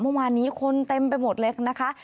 เมื่อวานนี้คนเต็มไปหมดเลยนะคะ